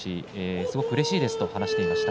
すごくうれしいですと話していました。